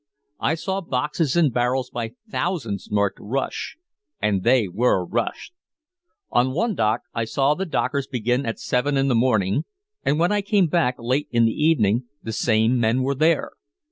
I saw boxes and barrels by thousands marked "Rush." And they were rushed! On one dock I saw the dockers begin at seven in the morning and when I came back late in the evening the same men were there.